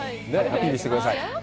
アピールしてください。